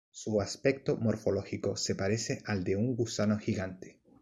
Su aspecto morfológico se parece al de un gusano gigante.